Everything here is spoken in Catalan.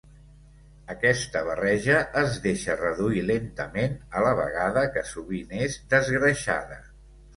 Aquesta barreja es deixa reduir lentament a la vegada que sovint és desgreixada.